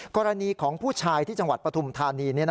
กรณีของผู้ชายที่จังหวัดปฐุมธานี